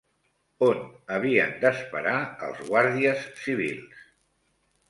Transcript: On havien d'esperar els Guàrdies Civils?